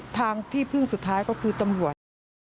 ทางที่พึ่งสุดท้ายก็คือตำรวจ